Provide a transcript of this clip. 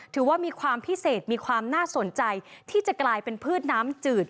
ถือว่ามีความพิเศษมีความน่าสนใจที่จะกลายเป็นพืชน้ำจืด